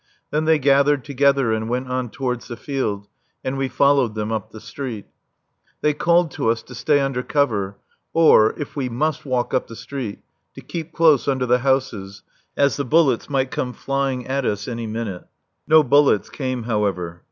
Then they gathered together and went on towards the field, and we followed them up the street. They called to us to stay under cover, or, if we must walk up the street, to keep close under the houses, as the bullets might come flying at us any minute. No bullets came, however.